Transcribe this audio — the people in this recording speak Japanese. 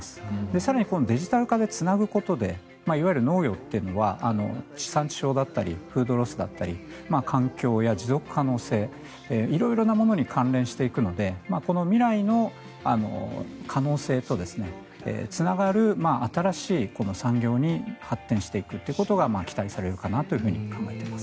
更にデジタル化でつなぐことでいわゆる農業というのは地産地消だったりフードロスだったり環境や持続可能性色々なものに関連していくのでこの未来の可能性とつながる新しい産業に発展していくということが期待されるかなと考えています。